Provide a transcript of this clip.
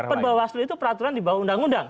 perbawaslu itu peraturan di bawah undang undang